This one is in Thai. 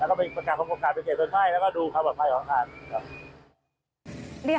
แล้วก็เป็นประกาศความปลอดภัยไปเก็บส่วนให้แล้วก็ดูความปลอดภัยของอาคาร